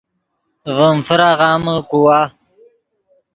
ڤیم فراغامے کوا